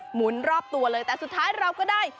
หมุนรอบตัวเลยแต่สุดท้ายเราก็ได้